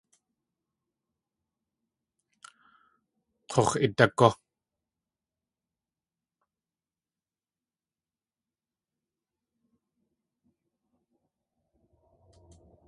K̲ux̲ idagú!